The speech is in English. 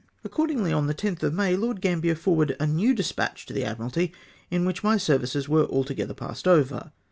Accordingly, on the 10th of May, Lord Gambler forwarded a 7iew despatch to the Admiralty, in ivhich my services were altogether passed over